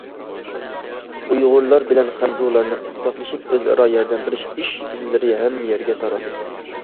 ئۇيغۇرلار بىلەن خەنزۇلارنىڭ ئىتتىپاقلىشىپ ئۆز ئارا ياردەم بېرىش ئىش- ئىزلىرى ھەممە يەرگە تارالدى.